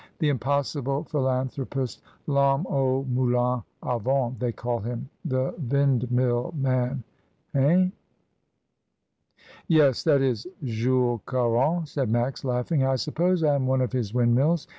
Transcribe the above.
"The impossible philan thropist— Vhomme aux moulins d vent they call him — ^the vindmill man. Hein?" "Yes, that is Jules. Caron," said Max, laughing. "I suppose I am one of his windmills.